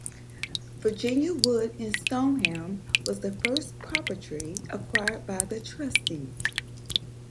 Virginia Wood in Stoneham was the first property acquired by The Trustees.